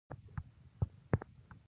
هغه کله یو ته او کله بل ته کتل